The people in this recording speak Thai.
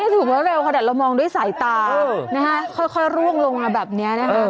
ถูกว่าเร็วแต่เรามองด้วยสายตาค่อยร่วงลงมาแบบนี้